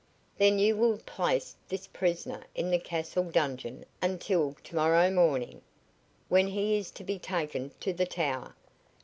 "Then you will place this prisoner in the castle dungeon until to morrow morning, when he is to be taken to the Tower.